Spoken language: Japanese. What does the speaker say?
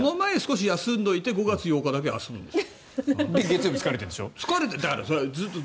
その前に休んでおいて５月８日だけ遊ぶんです。